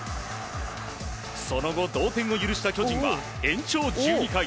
その後、同点を許した巨人は延長１２回。